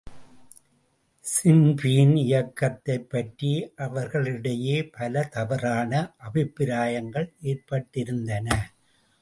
Sinn Féin இயக்கத்தைப் பற்றி அவர்களிடையே பல தவறான அபிப்பிராயங்கள் ஏற்பட்டிருந்தன.